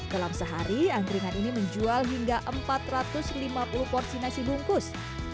dalam sehari angkringan ini menjual hingga empat ratus lima puluh porsi nasi bungkus